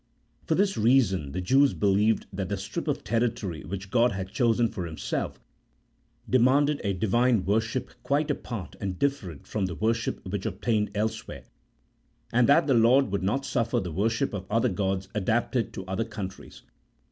For this reason the Jews believed that the strip of territory which God had chosen for Himself, demanded a Divine worship quite apart and different from the worship which obtained elsewhere, and that the Lord would not suffer the worship of other gods adapted to other countries.